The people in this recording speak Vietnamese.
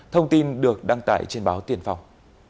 thông tin được đăng tải trên báo tiền phòng